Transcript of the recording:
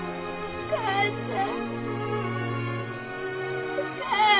お母ちゃん。